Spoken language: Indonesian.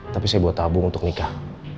tapi saya buat tabung untuk nikah